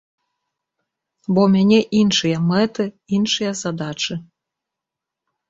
Бо ў мяне іншыя мэты, іншыя задачы.